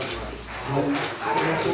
ありがとう。